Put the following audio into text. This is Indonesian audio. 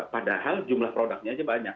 padahal jumlah produknya aja banyak